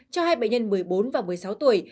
cho hai bệnh nhân một mươi bốn và một mươi sáu tuổi